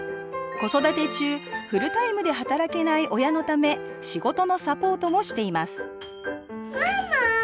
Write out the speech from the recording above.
子育て中フルタイムで働けない親のため仕事のサポートもしています